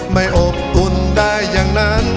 ไม่อบอุ่นได้อย่างนั้น